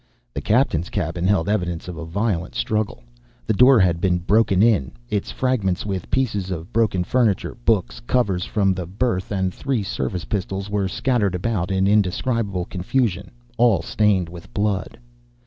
The captain's cabin held evidence of a violent struggle. The door had been broken in. Its fragments, with pieces of broken furniture, books, covers from the berth, and three service pistols, were scattered about in indescribable confusion, all stained with blood.